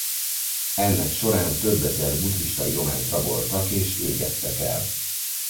Ennek során több ezer buddhista irományt raboltak és égettek el.